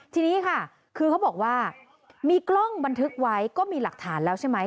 ทีนี้ค่ะคือเขาบอกว่ามีกล้องบันทึกไว้ก็มีหลักฐานแล้วใช่ไหม